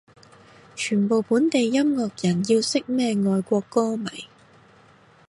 全部本地音樂人要識咩外國歌迷